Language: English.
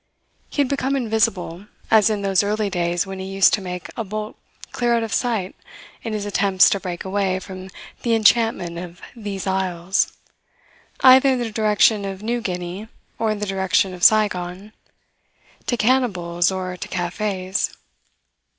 He had become invisible, as in those early days when he used to make a bolt clear out of sight in his attempts to break away from the enchantment of "these isles," either in the direction of New Guinea or in the direction of Saigon to cannibals or to cafes.